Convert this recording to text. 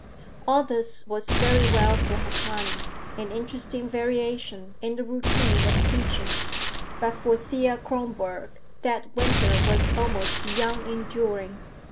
All this was very well for Harsanyi; an interesting variation in the routine of teaching. But for Thea Kronborg, that winter was almost beyond enduring.